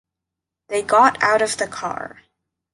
They got out of the car.